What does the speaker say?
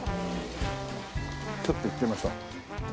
ちょっと行ってみましょう。